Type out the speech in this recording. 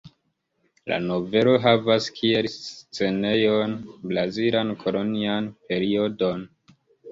La novelo havas kiel scenejon brazilan kolonian periodon.